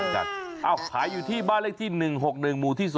ขายอยู่ที่บ้านเลขที่๑๖๑หมู่ที่๒